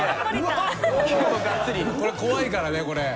これ怖いからね。